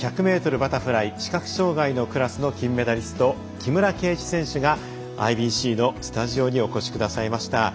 バタフライ視覚障がいのクラスの金メダリスト木村敬一選手がＩＢＣのスタジオにお越しくださいました。